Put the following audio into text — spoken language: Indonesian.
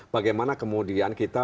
bagaimana kemudian kita